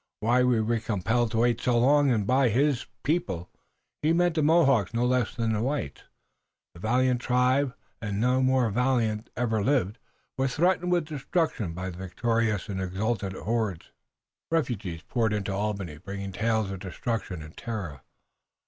"Why were we compelled to wait so long?" And by his "people" he meant the Mohawks no less than the whites. The valiant tribe, and none more valiant ever lived, was threatened with destruction by the victorious and exultant hordes. Refugees poured into Albany, bringing tales of destruction and terror.